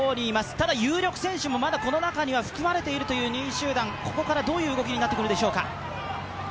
ただ、有力選手もこの中に含まれているという２位集団、ここからどういう動きになってくるでしょうか。